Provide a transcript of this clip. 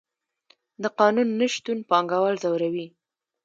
د قانون نشتون پانګوال ځوروي.